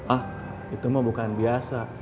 ah itu mah bukan biasa